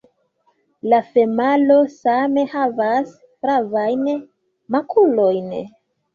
La femalo same havas flavajn makulojn.